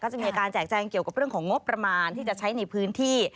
จะมีการแจกแจงเกี่ยวกับเรื่องของงบประมาณที่จะใช้ในพื้นที่